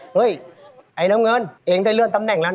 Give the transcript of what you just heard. เฮ้ยไอ้น้ำเงินเองได้เลื่อนตำแหน่งนั้น